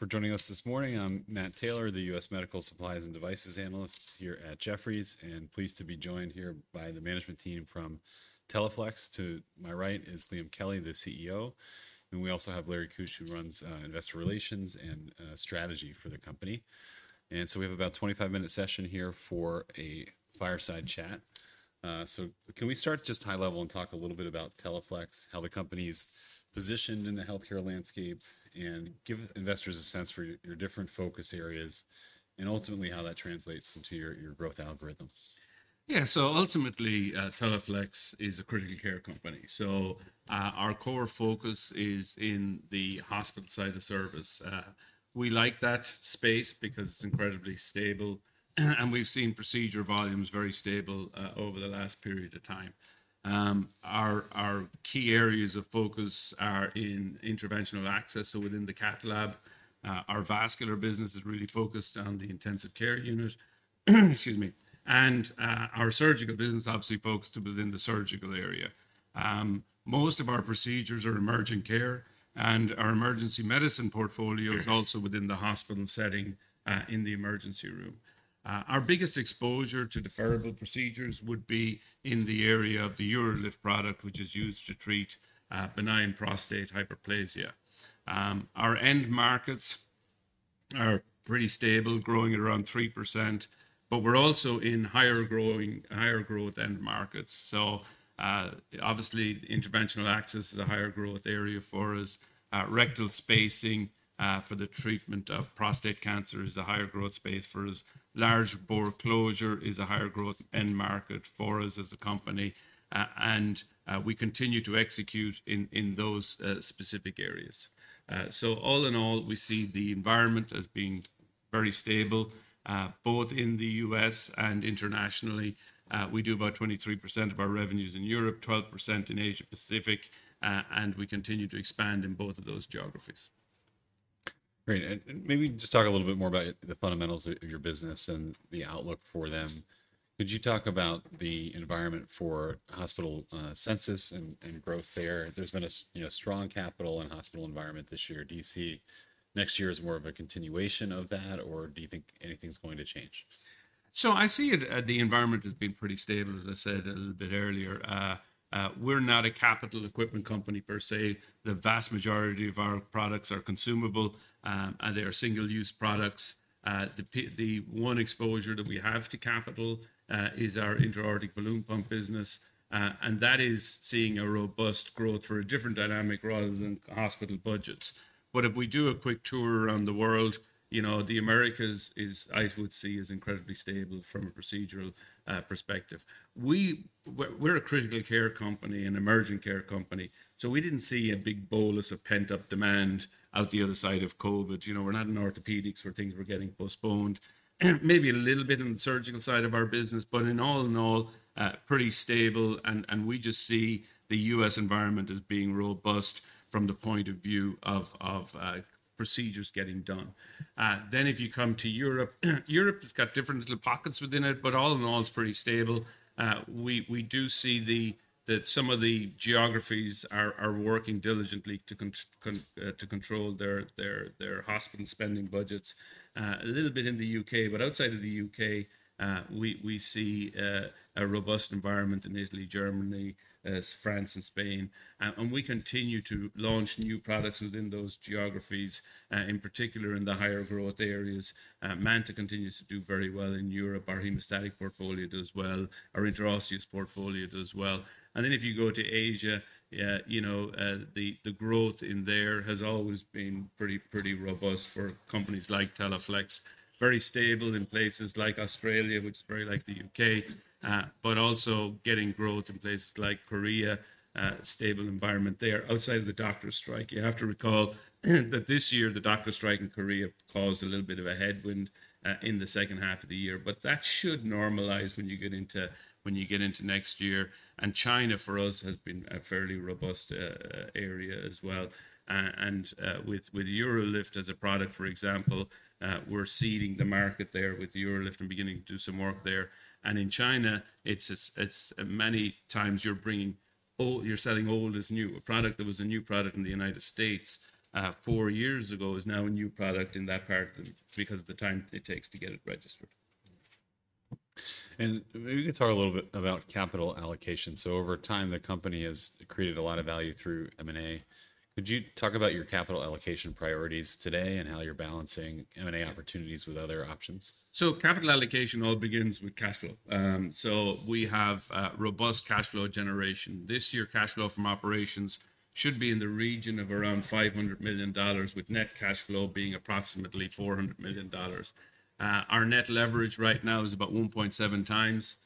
For joining us this morning, I'm Matt Taylor, the U.S. Medical Supplies and Devices Analyst here at Jefferies, and pleased to be joined here by the management team from Teleflex. To my right is Liam Kelly, the CEO, and we also have Larry Kusch, who runs investor relations and strategy for the company, and so we have about a 25-minute session here for a fireside chat, so can we start just high level and talk a little bit about Teleflex, how the company's positioned in the healthcare landscape, and give investors a sense for your different focus areas, and ultimately how that translates into your growth algorithm? Yeah, so ultimately, Teleflex is a critical care company. So our core focus is in the hospital side of service. We like that space because it's incredibly stable, and we've seen procedure volumes very stable over the last period of time. Our key areas of focus are in interventional access. So within the cath lab, our vascular business is really focused on the intensive care unit. Excuse me. And our surgical business obviously focused within the surgical area. Most of our procedures are emergency care, and our emergency medicine portfolio is also within the hospital setting in the emergency room. Our biggest exposure to deferable procedures would be in the area of the UroLift product, which is used to treat benign prostatic hyperplasia. Our end markets are pretty stable, growing at around 3%, but we're also in higher growth end markets. So obviously, interventional access is a higher growth area for us. Rectal spacing for the treatment of prostate cancer is a higher growth space for us. Large bore closure is a higher growth end market for us as a company. And we continue to execute in those specific areas. So all in all, we see the environment as being very stable, both in the U.S. and internationally. We do about 23% of our revenues in Europe, 12% in Asia Pacific, and we continue to expand in both of those geographies. Great. And maybe just talk a little bit more about the fundamentals of your business and the outlook for them. Could you talk about the environment for hospital census and growth there? There's been a strong capital and hospital environment this year, do you see. Next year is more of a continuation of that, or do you think anything's going to change? So I see the environment has been pretty stable, as I said a little bit earlier. We're not a capital equipment company per se. The vast majority of our products are consumable, and they are single-use products. The one exposure that we have to capital is our intra-aortic balloon pump business, and that is seeing a robust growth for a different dynamic rather than hospital budgets. But if we do a quick tour around the world, you know, the Americas is, I would say, incredibly stable from a procedural perspective. We're a critical care company and emergency care company. So we didn't see a big bolus of pent-up demand out the other side of COVID. You know, we're not in orthopedics where things were getting postponed. Maybe a little bit on the surgical side of our business, but all in all, pretty stable. And we just see the U.S. environment as being robust from the point of view of procedures getting done. Then if you come to Europe, Europe's got different little pockets within it, but all in all, it's pretty stable. We do see that some of the geographies are working diligently to control their hospital spending budgets. A little bit in the U.K., but outside of the U.K., we see a robust environment in Italy, Germany, France, and Spain. And we continue to launch new products within those geographies, in particular in the higher growth areas. MANTA continues to do very well in Europe. Our hemostatic portfolio does well. Our interosseous portfolio does well. And then if you go to Asia, you know, the growth in there has always been pretty robust for companies like Teleflex. Very stable in places like Australia, which is very like the U.K., but also getting growth in places like Korea. Stable environment there. Outside of the doctor strike, you have to recall that this year the doctor strike in Korea caused a little bit of a headwind in the second half of the year, but that should normalize when you get into next year, and China for us has been a fairly robust area as well, and with UroLift as a product, for example, we're seeding the market there with UroLift and beginning to do some work there. And in China, it's many times you're selling old as new. A product that was a new product in the United States four years ago is now a new product in that part because of the time it takes to get it registered. And maybe we could talk a little bit about capital allocation. So over time, the company has created a lot of value through M&A. Could you talk about your capital allocation priorities today and how you're balancing M&A opportunities with other options? So capital allocation all begins with cash flow. So we have robust cash flow generation. This year, cash flow from operations should be in the region of around $500 million, with net cash flow being approximately $400 million. Our net leverage right now is about 1.7 times.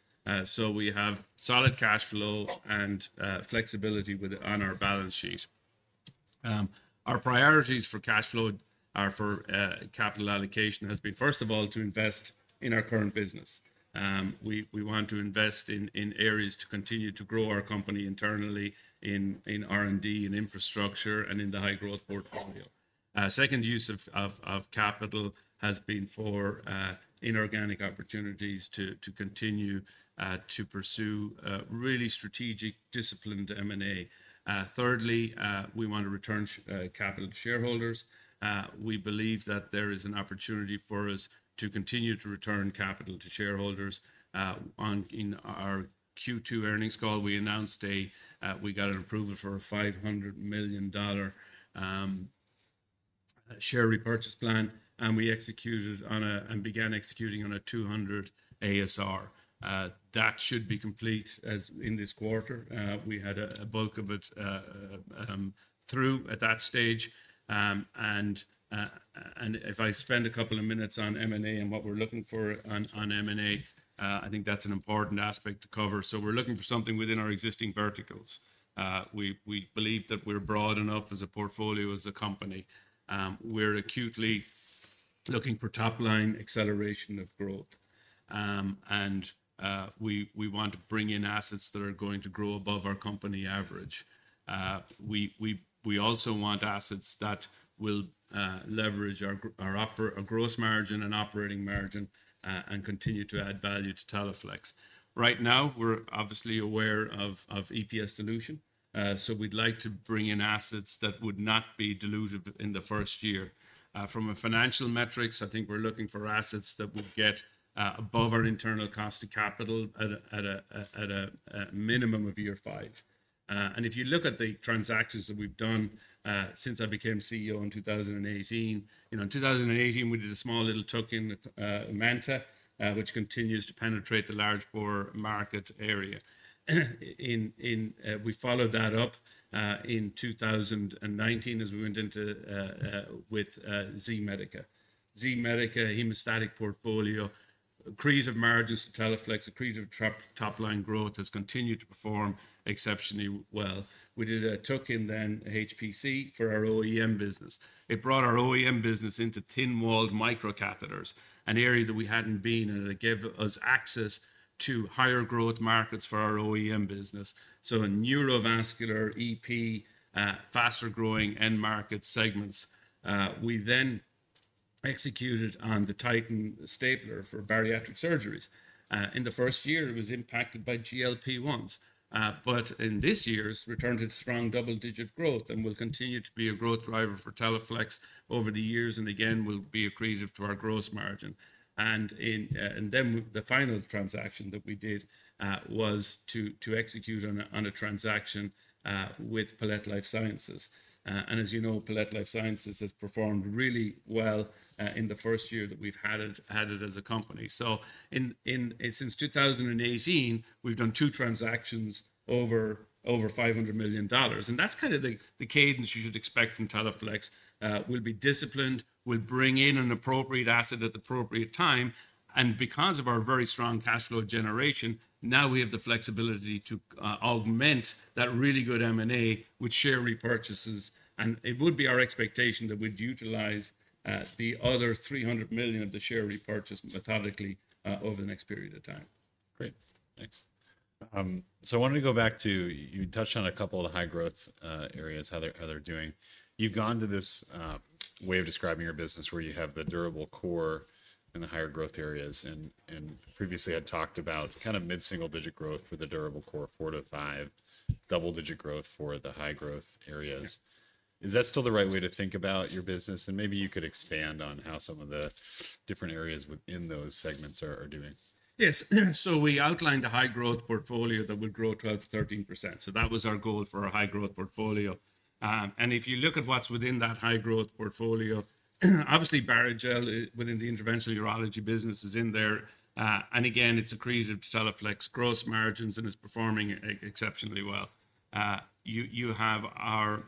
So we have solid cash flow and flexibility on our balance sheet. Our priorities for cash flow for capital allocation have been, first of all, to invest in our current business. We want to invest in areas to continue to grow our company internally in R&D and infrastructure and in the high growth portfolio. Second use of capital has been for inorganic opportunities to continue to pursue really strategic, disciplined M&A. Thirdly, we want to return capital to shareholders. We believe that there is an opportunity for us to continue to return capital to shareholders. In our Q2 earnings call, we announced we got an approval for a $500 million share repurchase plan, and we began executing on a $200 million ASR. That should be complete in this quarter. We had a bulk of it through at that stage. And if I spend a couple of minutes on M&A and what we're looking for on M&A, I think that's an important aspect to cover. So we're looking for something within our existing verticals. We believe that we're broad enough as a portfolio, as a company. We're acutely looking for top-line acceleration of growth. And we want to bring in assets that are going to grow above our company average. We also want assets that will leverage our gross margin and operating margin and continue to add value to Teleflex. Right now, we're obviously aware of EPS dilution, so we'd like to bring in assets that would not be diluted in the first year. From a financial metrics, I think we're looking for assets that would get above our internal cost of capital at a minimum of year five. And if you look at the transactions that we've done since I became CEO in 2018, you know, in 2018, we did a small little tuck-in MANTA, which continues to penetrate the large bore market area. We followed that up in 2019 as we went ahead with Z-Medica. Z-Medica, hemostatic portfolio, creates margins to Teleflex, and creates top-line growth has continued to perform exceptionally well. We did a tuck-in then HPC for our OEM business. It brought our OEM business into thin-walled microcatheters, an area that we hadn't been, and it gave us access to higher growth markets for our OEM business. So in neurovascular, EP, faster growing end market segments, we then executed on the Titan stapler for bariatric surgeries. In the first year, it was impacted by GLP-1s, but in this year's return to strong double-digit growth, and we'll continue to be a growth driver for Teleflex over the years, and again, we'll be accretive to our gross margin. And then the final transaction that we did was to execute on a transaction with Palette Life Sciences. And as you know, Palette Life Sciences has performed really well in the first year that we've had it as a company. So since 2018, we've done two transactions over $500 million. And that's kind of the cadence you should expect from Teleflex. We'll be disciplined, we'll bring in an appropriate asset at the appropriate time, and because of our very strong cash flow generation, now we have the flexibility to augment that really good M&A with share repurchases, and it would be our expectation that we'd utilize the other $300 million of the share repurchase methodically over the next period of time. Great. Thanks. So I wanted to go back to, you touched on a couple of the high growth areas, how they're doing. You've gone to this way of describing your business where you have the durable core and the higher growth areas, and previously had talked about kind of mid-single-digit growth for the durable core, four to five, double-digit growth for the high growth areas. Is that still the right way to think about your business? And maybe you could expand on how some of the different areas within those segments are doing. Yes. So we outlined a high growth portfolio that would grow 12%-13%. So that was our goal for our high growth portfolio. And if you look at what's within that high growth portfolio, obviously Barrigel within the interventional urology business is in there. And again, it's accretive to Teleflex gross margins and is performing exceptionally well. You have our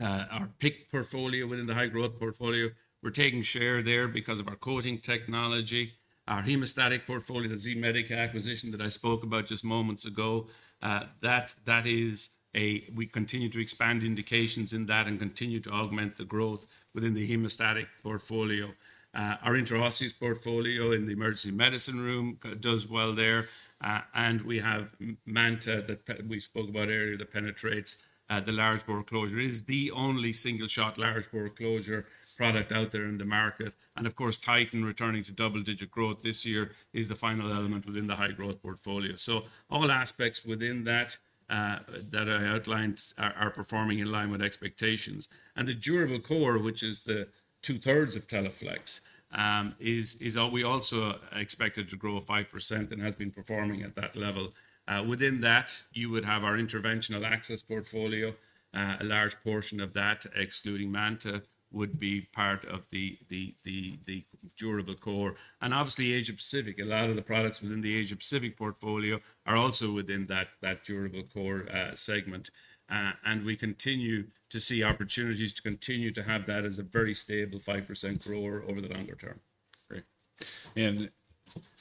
PICC portfolio within the high growth portfolio. We're taking share there because of our coating technology. Our hemostatic portfolio, the Z-Medica acquisition that I spoke about just moments ago, that is a, we continue to expand indications in that and continue to augment the growth within the hemostatic portfolio. Our interosseous portfolio in the emergency medicine realm does well there. And we have Manta that we spoke about earlier that penetrates the large bore closure. It is the only single-shot large bore closure product out there in the market, and of course, Titan returning to double-digit growth this year is the final element within the high growth portfolio, so all aspects within that that I outlined are performing in line with expectations, and the durable core, which is the two-thirds of Teleflex, is we also expected to grow 5% and has been performing at that level. Within that, you would have our interventional access portfolio. A large portion of that, excluding MANTA, would be part of the durable core, and obviously, Asia Pacific, a lot of the products within the Asia Pacific portfolio are also within that durable core segment, and we continue to see opportunities to continue to have that as a very stable 5% grower over the longer term. Great. And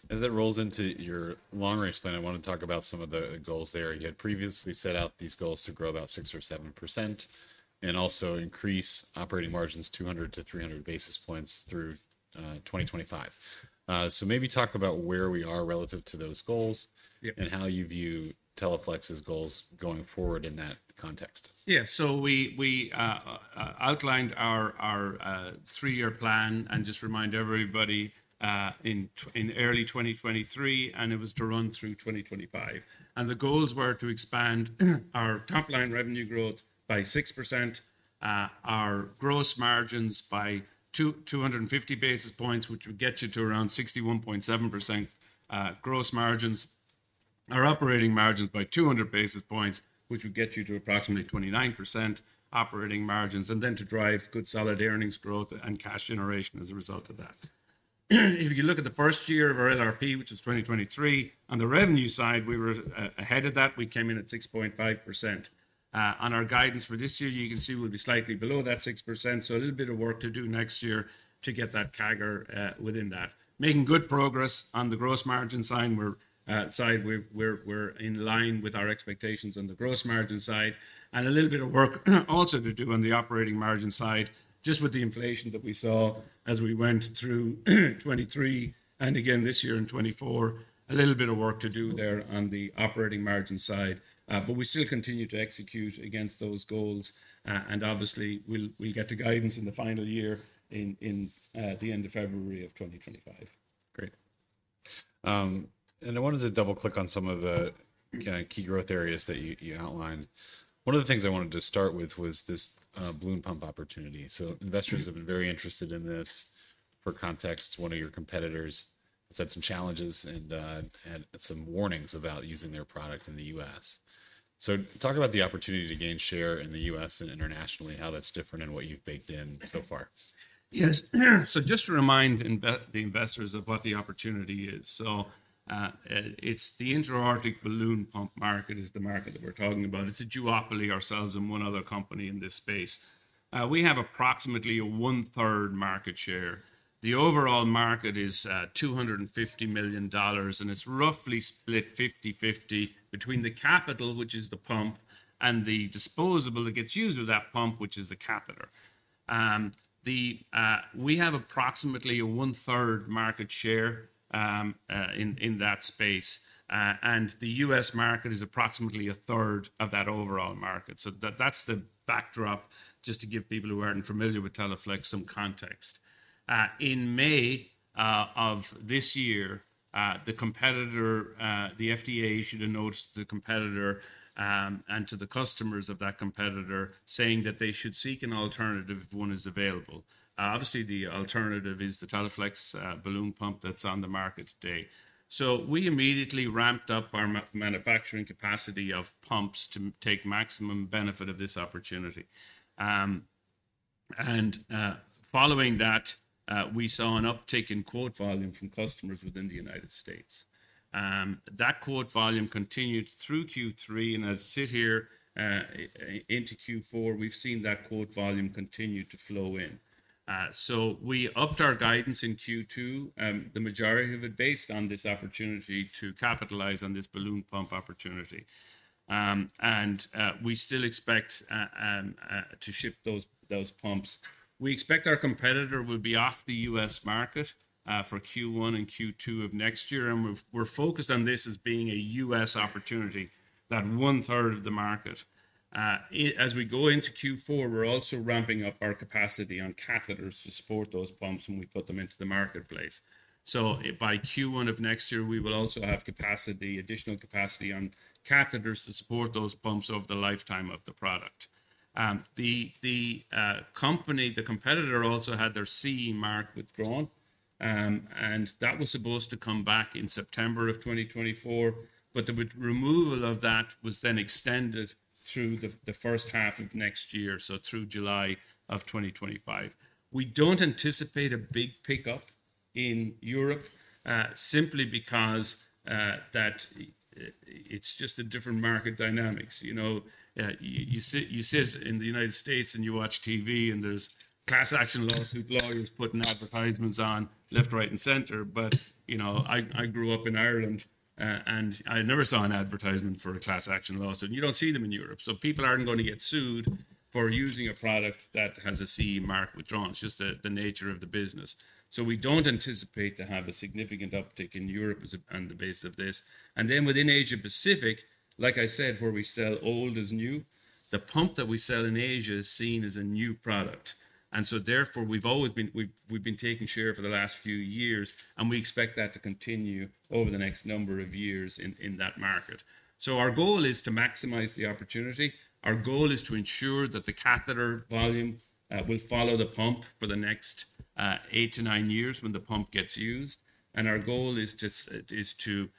as it rolls into your long-range plan, I want to talk about some of the goals there. You had previously set out these goals to grow about 6% or 7% and also increase operating margins 200-300 basis points through 2025. So maybe talk about where we are relative to those goals and how you view Teleflex's goals going forward in that context. Yeah. So we outlined our three-year plan and just remind everybody in early 2023, and it was to run through 2025. The goals were to expand our top-line revenue growth by 6%, our gross margins by 250 basis points, which would get you to around 61.7% gross margins, our operating margins by 200 basis points, which would get you to approximately 29% operating margins, and then to drive good solid earnings growth and cash generation as a result of that. If you look at the first year of our LRP, which was 2023, on the revenue side, we were ahead of that. We came in at 6.5%. On our guidance for this year, you can see we'll be slightly below that 6%. A little bit of work to do next year to get that CAGR within that. Making good progress on the gross margin side. We're in line with our expectations on the gross margin side, and a little bit of work also to do on the operating margin side, just with the inflation that we saw as we went through 2023 and again this year in 2024, a little bit of work to do there on the operating margin side. But we still continue to execute against those goals, and obviously, we'll get the guidance in the final year, in the end of February of 2025. Great. And I wanted to double-click on some of the key growth areas that you outlined. One of the things I wanted to start with was this balloon pump opportunity. So investors have been very interested in this. For context, one of your competitors has had some challenges and had some warnings about using their product in the U.S. So talk about the opportunity to gain share in the U.S. and internationally, how that's different and what you've baked in so far. Yes, so just to remind the investors of what the opportunity is. So it's the intra-aortic balloon pump market is the market that we're talking about. It's a duopoly ourselves and one other company in this space. We have approximately one-third market share. The overall market is $250 million, and it's roughly split 50/50 between the capital, which is the pump, and the disposable that gets used with that pump, which is the catheter. We have approximately one-third market share in that space. And the U.S. market is approximately a third of that overall market. So that's the backdrop just to give people who aren't familiar with Teleflex some context. In May of this year, the FDA issued a notice to the competitor and to the customers of that competitor saying that they should seek an alternative if one is available. Obviously, the alternative is the Teleflex balloon pump that's on the market today. So we immediately ramped up our manufacturing capacity of pumps to take maximum benefit of this opportunity. And following that, we saw an uptick in quote volume from customers within the United States. That quote volume continued through Q3, and as I sit here into Q4, we've seen that quote volume continue to flow in. So we upped our guidance in Q2, the majority of it based on this opportunity to capitalize on this balloon pump opportunity. And we still expect to ship those pumps. We expect our competitor will be off the U.S. market for Q1 and Q2 of next year. And we're focused on this as being a U.S. opportunity, that one-third of the market. As we go into Q4, we're also ramping up our capacity on catheters to support those pumps when we put them into the marketplace. So by Q1 of next year, we will also have capacity, additional capacity on catheters to support those pumps over the lifetime of the product. The company, the competitor also had their CE mark withdrawn, and that was supposed to come back in September of 2024, but the removal of that was then extended through the first half of next year, so through July of 2025. We don't anticipate a big pickup in Europe simply because that it's just a different market dynamics. You sit in the United States and you watch TV, and there's class action lawsuit, lawyers putting advertisements on left, right, and center. But I grew up in Ireland, and I never saw an advertisement for a class action lawsuit. You don't see them in Europe. So people aren't going to get sued for using a product that has a CE mark withdrawn. It's just the nature of the business. So we don't anticipate to have a significant uptick in Europe on the basis of this. And then within Asia Pacific, like I said, where we sell old as new, the pump that we sell in Asia is seen as a new product. And so therefore, we've always been taking share for the last few years, and we expect that to continue over the next number of years in that market. So our goal is to maximize the opportunity. Our goal is to ensure that the catheter volume will follow the pump for the next eight to nine years when the pump gets used. And our goal is to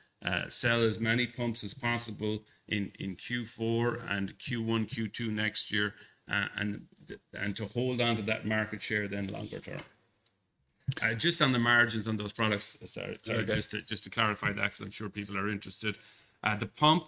sell as many pumps as possible in Q4 and Q1, Q2 next year and to hold on to that market share then longer term. Just on the margins on those products, sorry, just to clarify that because I'm sure people are interested. The pump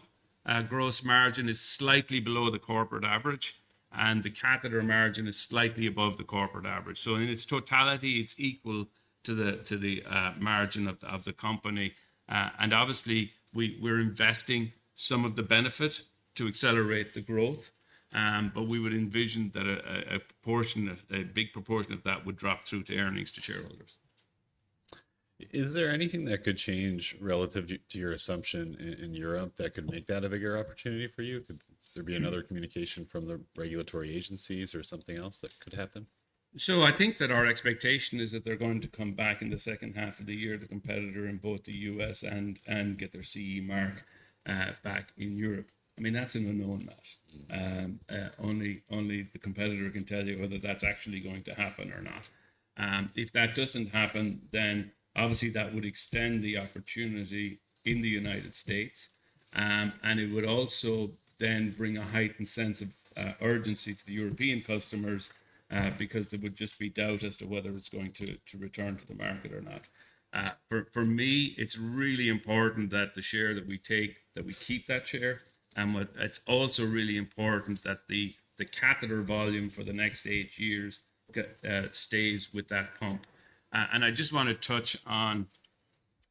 gross margin is slightly below the corporate average, and the catheter margin is slightly above the corporate average. So in its totality, it's equal to the margin of the company. And obviously, we're investing some of the benefit to accelerate the growth, but we would envision that a big proportion of that would drop through to earnings to shareholders. Is there anything that could change relative to your assumption in Europe that could make that a bigger opportunity for you? Could there be another communication from the regulatory agencies or something else that could happen? So, I think that our expectation is that they're going to come back in the second half of the year, the competitor in both the U.S. and get their CE mark back in Europe. I mean, that's an unknown match. Only the competitor can tell you whether that's actually going to happen or not. If that doesn't happen, then obviously that would extend the opportunity in the United States. And it would also then bring a heightened sense of urgency to the European customers because there would just be doubt as to whether it's going to return to the market or not. For me, it's really important that the share that we take, that we keep that share. And it's also really important that the catheter volume for the next eight years stays with that pump. And I just want to touch on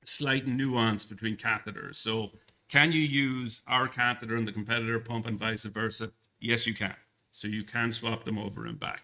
slight nuance between catheters. So, can you use our catheter and the competitor pump and vice versa? Yes, you can. So you can swap them over and back.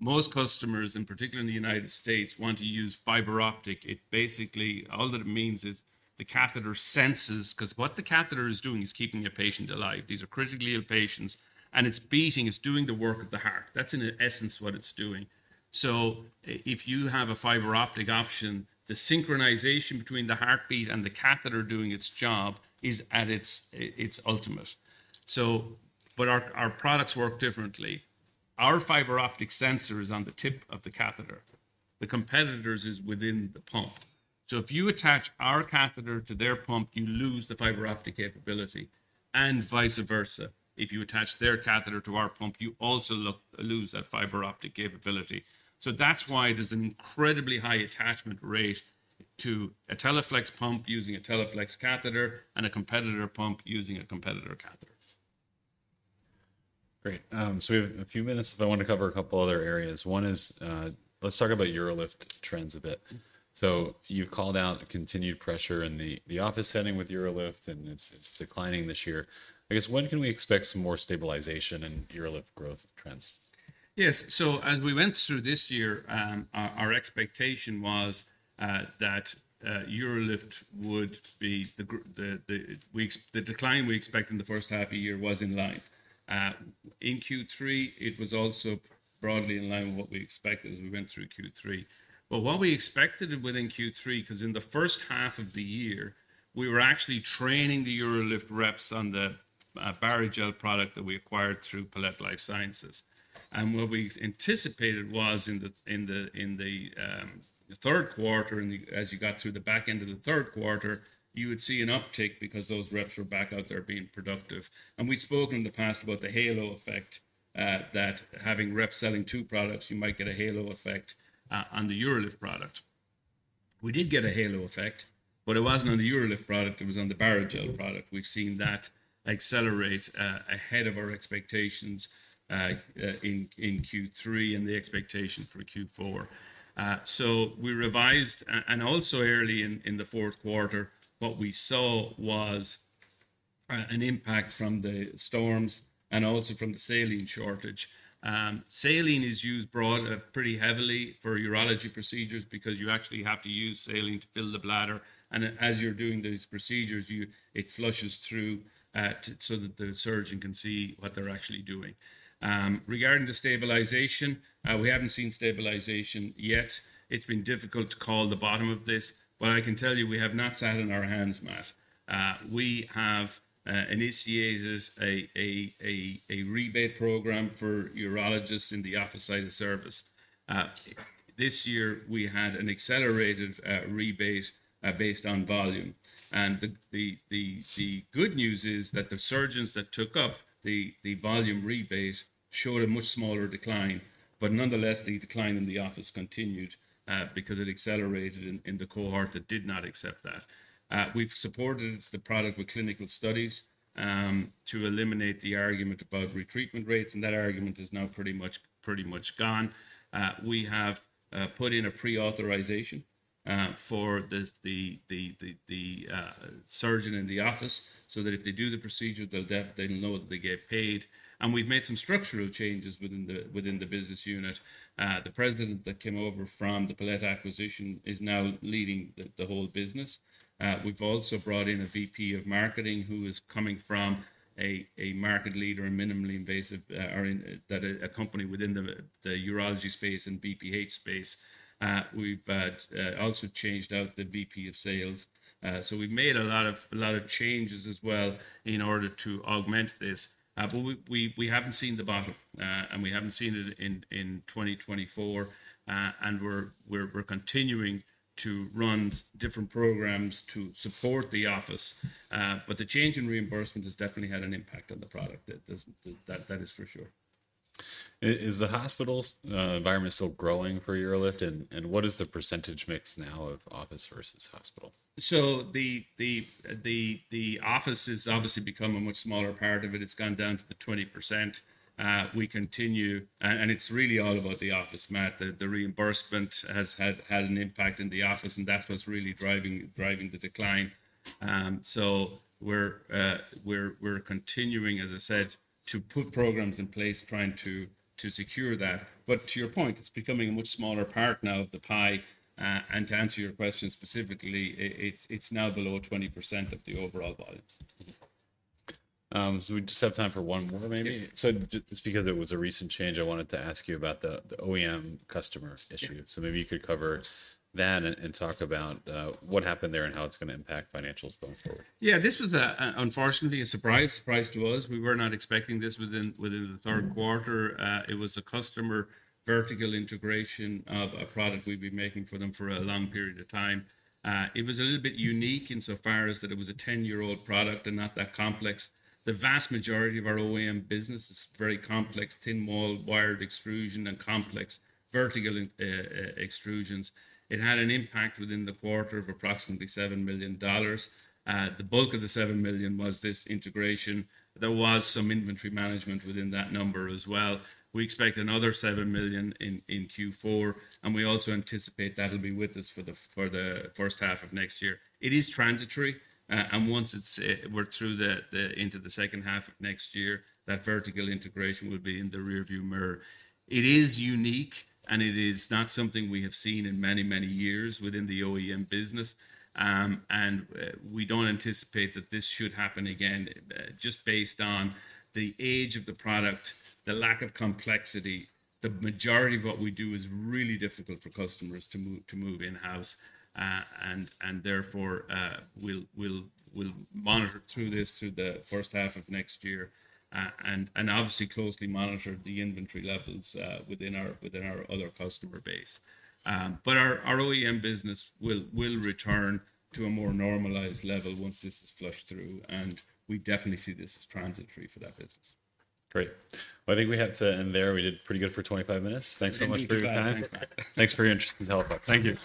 Most customers, in particular in the United States, want to use fiber optic. It basically, all that it means is the catheter senses, because what the catheter is doing is keeping your patient alive. These are critically ill patients, and it's beating, it's doing the work of the heart. That's in essence what it's doing. So if you have a fiber optic option, the synchronization between the heartbeat and the catheter doing its job is at its ultimate. But our products work differently. Our fiber optic sensor is on the tip of the catheter. The competitor's is within the pump. So if you attach our catheter to their pump, you lose the fiber optic capability. And vice versa, if you attach their catheter to our pump, you also lose that fiber optic capability. So that's why there's an incredibly high attachment rate to a Teleflex pump using a Teleflex catheter and a competitor pump using a competitor catheter. Great. So we have a few minutes if I want to cover a couple of other areas. One is let's talk about UroLift trends a bit. So you called out continued pressure in the office setting with UroLift, and it's declining this year. I guess, when can we expect some more stabilization in UroLift growth trends? Yes. So as we went through this year, our expectation was that UroLift would be the decline we expected in the first half of the year was in line. In Q3, it was also broadly in line with what we expected as we went through Q3. But what we expected within Q3, because in the first half of the year, we were actually training the UroLift reps on the Barrigel product that we acquired through Palette Life Sciences. And what we anticipated was in the third quarter, as you got through the back end of the third quarter, you would see an uptick because those reps were back out there being productive. And we'd spoken in the past about the halo effect that having reps selling two products, you might get a halo effect on the UroLift product. We did get a halo effect, but it wasn't on the UroLift product. It was on the Barrigel product. We've seen that accelerate ahead of our expectations in Q3 and the expectation for Q4. So we revised, and also early in the fourth quarter, what we saw was an impact from the storms and also from the saline shortage. Saline is used broadly pretty heavily for urology procedures because you actually have to use saline to fill the bladder, and as you're doing these procedures, it flushes through so that the surgeon can see what they're actually doing. Regarding the stabilization, we haven't seen stabilization yet. It's been difficult to call the bottom of this, but I can tell you, we have not sat on our hands, Matt. We have initiated a rebate program for urologists in the office side of service. This year, we had an accelerated rebate based on volume, and the good news is that the surgeons that took up the volume rebate showed a much smaller decline, but nonetheless, the decline in the office continued because it accelerated in the cohort that did not accept that. We've supported the product with clinical studies to eliminate the argument about retreatment rates, and that argument is now pretty much gone. We have put in a prior authorization for the surgeon in the office so that if they do the procedure, they'll know that they get paid, and we've made some structural changes within the business unit. The president that came over from the Palette acquisition is now leading the whole business. We've also brought in a VP of marketing who is coming from a market leader in minimally invasive at a company within the urology space and BPH space. We've also changed out the VP of sales. So we've made a lot of changes as well in order to augment this. But we haven't seen the bottom, and we haven't seen it in 2024. And we're continuing to run different programs to support the office. But the change in reimbursement has definitely had an impact on the product. That is for sure. Is the hospital environment still growing for UroLift? And what is the percentage mix now of office versus hospital? So the office has obviously become a much smaller part of it. It's gone down to the 20%. We continue, and it's really all about the office, Matt. The reimbursement has had an impact in the office, and that's what's really driving the decline. So we're continuing, as I said, to put programs in place trying to secure that. But to your point, it's becoming a much smaller part now of the pie. And to answer your question specifically, it's now below 20% of the overall volumes. So we just have time for one more, maybe. So just because it was a recent change, I wanted to ask you about the OEM customer issue. So maybe you could cover that and talk about what happened there and how it's going to impact financials going forward. Yeah, this was unfortunately a surprise to us. We were not expecting this within the third quarter. It was a customer vertical integration of a product we've been making for them for a long period of time. It was a little bit unique insofar as that it was a 10-year-old product and not that complex. The vast majority of our OEM business is very complex, thin wall, wired extrusion, and complex vertical extrusions. It had an impact within the quarter of approximately $7 million. The bulk of the $7 million was this integration. There was some inventory management within that number as well. We expect another $7 million in Q4, and we also anticipate that'll be with us for the first half of next year. It is transitory, and once we're through into the second half of next year, that vertical integration will be in the rearview mirror. It is unique, and it is not something we have seen in many, many years within the OEM business. And we don't anticipate that this should happen again just based on the age of the product, the lack of complexity. The majority of what we do is really difficult for customers to move in-house. And therefore, we'll monitor through this the first half of next year and obviously closely monitor the inventory levels within our other customer base. But our OEM business will return to a more normalized level once this is flushed through. And we definitely see this as transitory for that business. Great. Well, I think we had to end there. We did pretty good for 25 minutes. Thanks so much for your time. Thanks for your interest in Teleflex. Thank you.